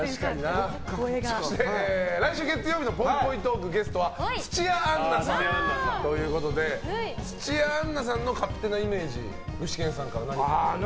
そして、来週月曜日のぽいぽいトーク、ゲストは土屋アンナさんということで土屋アンナさんの勝手なイメージ具志堅さんから何かありますか？